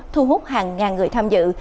thu hút hàng ngàn người tham dự